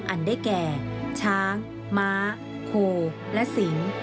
อันได้แก่ช้างม้าโคและสิง